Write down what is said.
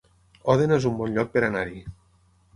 Òdena es un bon lloc per anar-hi